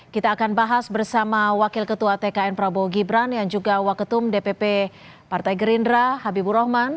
kita akan bahas bersama wakil ketua tkn prabowo gibran yang juga waketum dpp partai gerindra habibur rahman